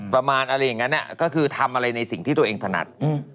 ประมาณอะไรอย่างนั้นก็คือทำอะไรในสิ่งที่ตัวเองถนัด